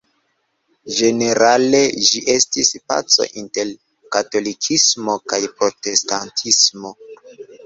Ĝenerale ĝi estis paco inter katolikismo kaj protestantismo.